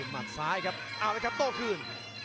มาสายครับเอาเลยครับโตคืน